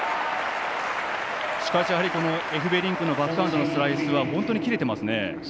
しかしエフベリンクのバックハンドのスライスは本当にきれていますね。